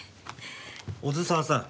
小豆沢さん。